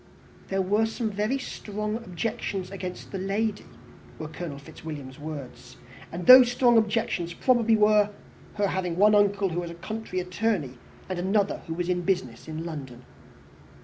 "There were some very strong objections against the lady," were Colonel Fitzwilliam's words; and these strong objections probably were, her having one uncle who was a country attorney, and another who was in business in London.